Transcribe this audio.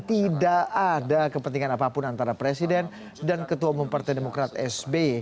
tidak ada kepentingan apapun antara presiden dan ketua umum partai demokrat sb